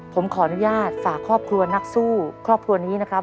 ผมขออนุญาตฝากครอบครัวนักสู้ครอบครัวนี้นะครับ